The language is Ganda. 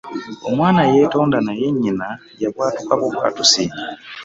Omwana yetonda naye nyina yabwatuka bubwatusi.